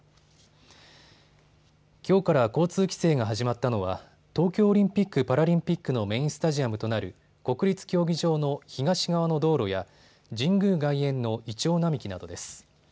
きょうから交通規制が始まったのは東京オリンピック・パラリンピックのメインスタジアムとなる国立競技場の東側の道路や神宮外苑のいちょう並木などです。